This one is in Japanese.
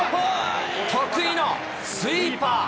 得意のスイーパー。